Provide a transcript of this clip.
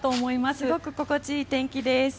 すごく心地いい天気です。